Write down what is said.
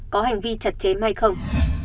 có hành vi chặt chém hay không